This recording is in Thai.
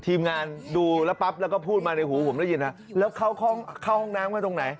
ทีมงานดูแล้วปั๊บแล้วก็พูดมาในหูผมได้ยินฮะแล้วเข้าห้องเข้าห้องน้ำมาตรงไหน